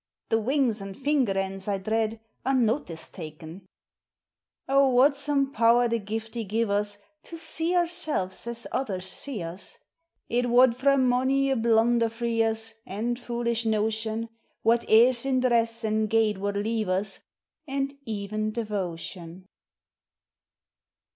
Thae winks and finger ends, I dread. Are notice takin'! 350 POEMS OF NATURE. O wad some power the giftie gie us To see oursel's as others see us ! It wad frae mouie a blunder free us, And foolish notion: What airs in dress an' gait wad lea'e us, And ev'n devotion